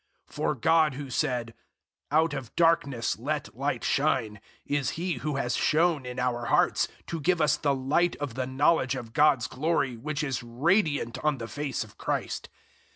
004:006 For God who said, "Out of darkness let light shine," is He who has shone in our hearts to give us the light of the knowledge of God's glory, which is radiant on the face of Christ.